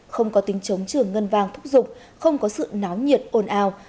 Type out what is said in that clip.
không có tính chống trường ngân vàng thúc dục không có sự náo nhiệt ồn ào